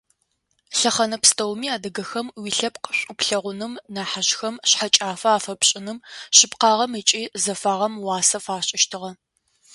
Лъэхъэнэ пстэуми адыгэхэм уилъэпкъ шӏу плъэгъуным нахьыжъхэм шъхьэкӏафэ афэпшӏыным, шъыпкъагъэм ыкӏи зэфагъэм уасэ фашӏыщтыгъэ.